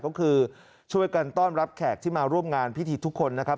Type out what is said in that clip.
ก็คือช่วยกันต้อนรับแขกที่มาร่วมงานพิธีทุกคนนะครับ